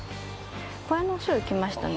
小屋の後ろ、行きましたね。